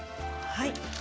はい。